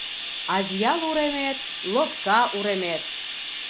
Азъял уремет - лопка уремет